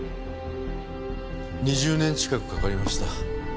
２０年近くかかりました。